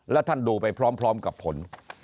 แล้วท่านดูไปพร้อมกับผล